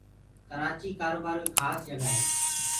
ڪرآچيٚ ڪآروبآروئيٚ کآس جگآ هي